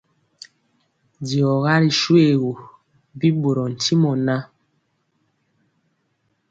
Diɔga ri shoégu, bi ɓorɔɔ ntimɔ ŋan.